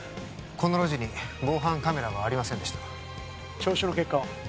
この路地に防犯カメラはありませんでした聴取の結果は？